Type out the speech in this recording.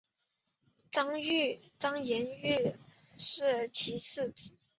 张廷玉是其次子。